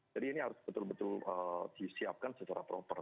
jadi ini harus betul betul disiapkan secara proper